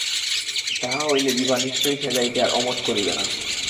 তাহা হইলে বিভা নিশ্চয়ই সেখানে যাইতে আর অমত করিবে না।